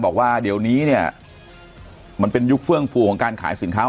บอกว่าเดี๋ยวนี้เนี่ยมันเป็นยุคเฟื่องฟูของการขายสินค้า